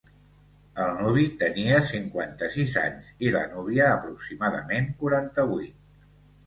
El nuvi tenia cinquanta-sis anys i la núvia aproximadament quaranta-vuit.